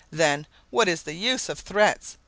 Then, what is the use of threats?